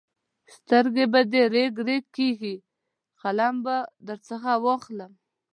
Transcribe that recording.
سترګې به دې رېګ رېګ کېږي؛ قلم به درڅخه واخلم.